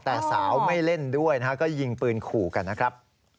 แต่สาวไม่เล่นด้วยนะฮะก็ยิงปืนขู่กันนะครับ